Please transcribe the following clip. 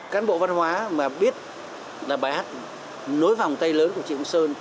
cán bộ văn hóa mà biết là bài hát nối vòng tay lớn của trịnh công sơn